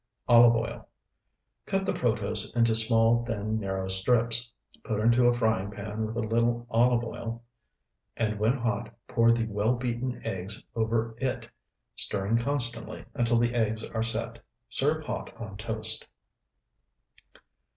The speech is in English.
Olive oil. Cut the protose into small, thin, narrow strips; put into a frying pan with a little olive oil, and when hot pour the well beaten eggs over it, stirring constantly, until the eggs are set. Serve hot on toast.